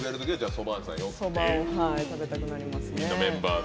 蕎麦を食べたくなります。